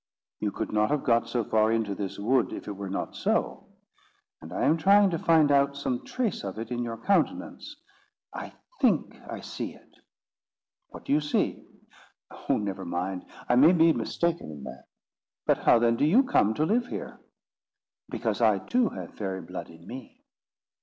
"You could not have got so far into this wood if it were not so; and I am trying to find out some trace of it in your countenance. I think I see it." "What do you see?" "Oh, never mind: I may be mistaken in that." "But how then do you come to live here?" "Because I too have fairy blood in me."